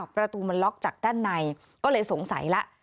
ประตูมันล็อกจากด้านในก็เลยสงสัยแล้ว